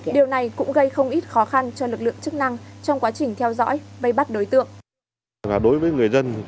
điều này cũng gây không ít khó khăn cho lực lượng chức năng trong quá trình theo dõi vây bắt đối tượng